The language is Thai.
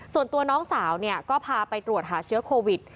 ส่วนตัวน้องสาวก็พาไปตรวจหาเชื้อโควิด